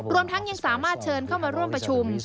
รวมทั้งยังสามารถเชิญเข้ามาร่วมประชุม